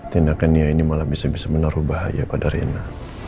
tindakan dia ini malah bisa bisa menaruh bahaya pada rena